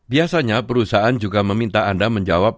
biasanya perusahaan juga meminta anda menjawab